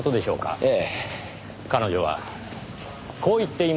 ええ。